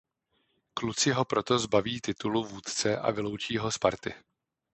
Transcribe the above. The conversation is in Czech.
Kluci ho proto zbaví titulu vůdce a vyloučí ho z party.